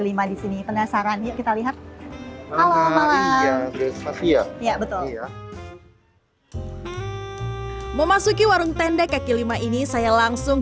lima disini penasaran kita lihat halamu ya betul memasuki warung tenda kaki lima ini saya langsung